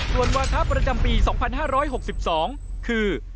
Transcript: ส่วนวาทะประจำปี๒๕๖๒คือ